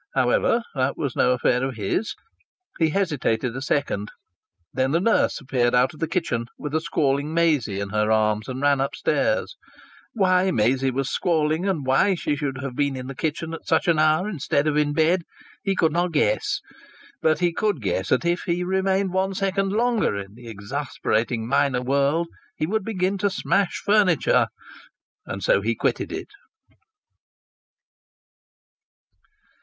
However, that was no affair of his. He hesitated a second. Then the nurse appeared out of the kitchen, with a squalling Maisie in her arms, and ran upstairs. Why Maisie was squalling, and why she should have been in the kitchen at such an hour instead of in bed, he could not guess. But he could guess that if he remained one second longer in that exasperating minor world he would begin to smash furniture. And so he quitted it.